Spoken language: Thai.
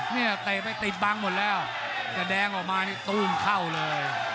เนี่ยแต่ไปตีบบังหมดแล้วแต่แดงออกมาตรงเข้าเลย